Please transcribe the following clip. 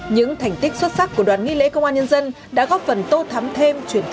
những thành tích xuất sắc của đoàn nghi lễ công an nhân dân đã góp phần tô thắm thêm